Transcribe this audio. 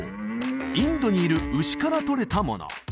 インドにいる牛からとれたもの